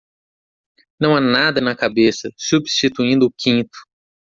Não há nada na cabeça, substituindo o quinto.